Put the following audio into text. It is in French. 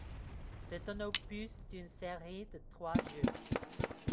C'est un opus d'une série de trois jeux.